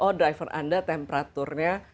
oh driver anda temperaturnya